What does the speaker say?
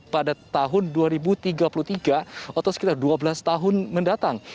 pada tahun dua ribu tiga puluh tiga atau sekitar dua belas tahun mendatang